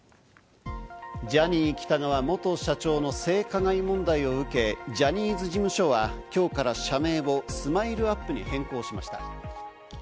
ジャニー喜多川元社長の性加害問題を受け、ジャニーズ事務所はきょうから社名をＳＭＩＬＥ‐ＵＰ．に変更しました。